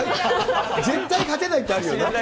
絶対勝てないってあるよな。